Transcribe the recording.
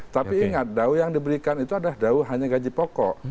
tapi ingat daun yang diberikan itu adalah daun hanya gaji pokok